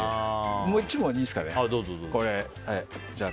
もう１問、いいですかね。